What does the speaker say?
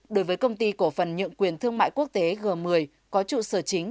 đối với công ty cổ phần nhượng quyền thương mại quốc tế g một mươi có trụ sở chính